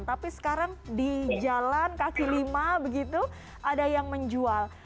tapi sekarang di jalan kaki lima begitu ada yang menjual